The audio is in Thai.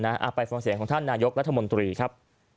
อาฟภัยสงสัยของท่านนโยคลัธมมตรีครับ